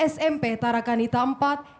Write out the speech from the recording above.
smp tarakanita iv